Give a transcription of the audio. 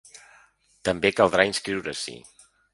També caldrà inscriure-s’hi.